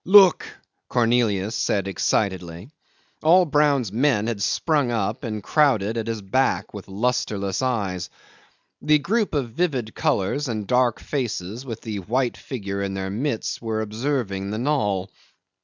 look!" Cornelius said excitedly. All Brown's men had sprung up and crowded at his back with lustreless eyes. The group of vivid colours and dark faces with the white figure in their midst were observing the knoll.